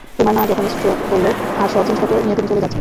তোমার মা যখন স্ট্রোক করলো, আর সব জিনিসপত্র নিয়ে তুমি চলে যাচ্ছিলে।